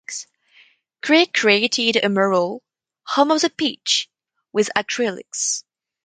Krieg created a mural, "Home of the Peach," with acrylics.